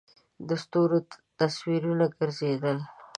د ستورو تصویرونه گرځېدل.